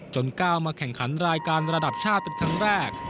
ก้าวมาแข่งขันรายการระดับชาติเป็นครั้งแรก